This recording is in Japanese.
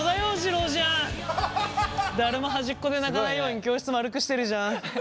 誰も端っこで泣かないように教室丸くしてるじゃん。